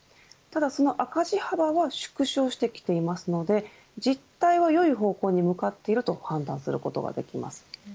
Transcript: その赤字幅は縮小してきていますので実態はよい方向に向かっていると判断することができます。